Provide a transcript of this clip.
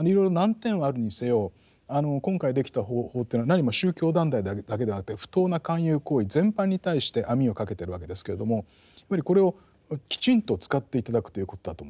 いろいろ難点はあるにせよあの今回できた法というのはなにも宗教団体だけではなくて不当な勧誘行為全般に対して網をかけているわけですけれどもやっぱりこれをきちんと使って頂くということだと思うんですね。